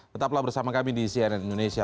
tetaplah bersama kami di cnn indonesia